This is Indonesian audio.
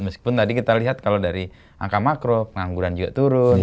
meskipun tadi kita lihat kalau dari angka makro pengangguran juga turun